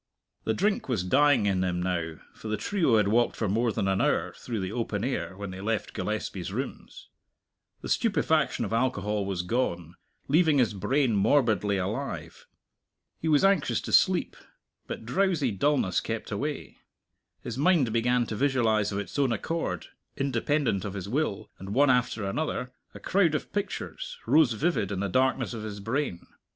The drink was dying in him now, for the trio had walked for more than an hour through the open air when they left Gillespie's rooms. The stupefaction of alcohol was gone, leaving his brain morbidly alive. He was anxious to sleep, but drowsy dullness kept away. His mind began to visualize of its own accord, independent of his will; and, one after another, a crowd of pictures rose vivid in the darkness of his brain.